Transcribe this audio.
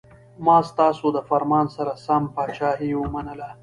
ما ستاسو د فرمان سره سم پاچهي ومنله.